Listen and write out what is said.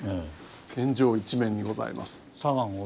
天井一面にございます。